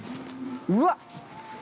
◆うわっ！